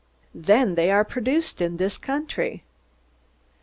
"Den dey are produced in dis country!"